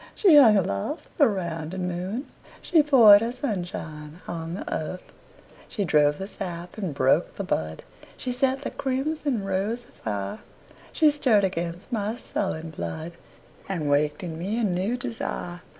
She hung aloft the rounding moon, She poured her sunshine on the earth, She drove the sap and broke the bud, She set the crimson rose afire. She stirred again my sullen blood, And waked in me a new desire.